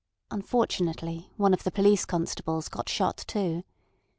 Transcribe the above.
Unfortunately, one of the police constables got shot too.